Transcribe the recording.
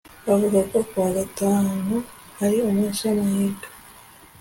bavuga ko kuwagatanu ari umunsi wamahirwe